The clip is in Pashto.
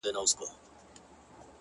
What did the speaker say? خداى نه چي زه خواست كوم نو دغـــه وي،